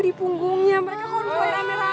di punggungnya mereka konvoy rame rame